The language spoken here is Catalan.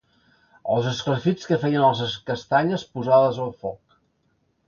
Els esclafits que feien les castanyes posades al foc.